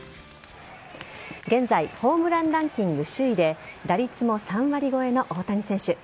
現在ホームランランキング首位で打率も３割超えの大谷選手。